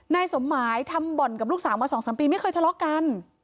นายสมหมายทำบ่อนกับลูกสาวมา๒๓ปีไม่เคยทะเลาะกัน